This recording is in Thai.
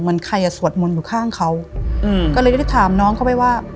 เหมือนใครอ่ะสวดมนต์อยู่ข้างเขาอืมก็เลยได้ถามน้องเขาไปว่า